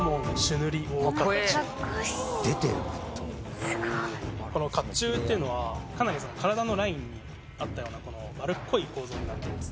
かっこいいすごい出てるグッとこの甲冑っていうのはかなりその体のラインに合ったようなこの丸っこい構造になってます